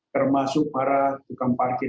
termasuk para tukang parkir